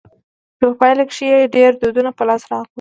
چي په پايله کښي ئې ډېر دودونه په لاس راغلل.